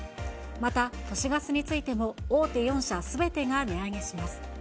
また、都市ガスについても、大手４社すべてが値上げします。